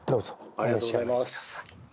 ありがとうございます。